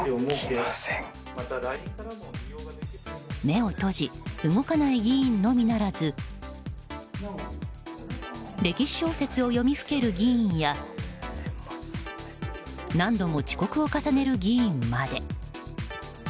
目を閉じ動かない議員のみならず歴史小説を読みふける議員や何度も遅刻を重ねる議員まで。